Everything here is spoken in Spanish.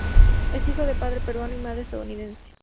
Es hijo de padre peruano y madre estadounidense.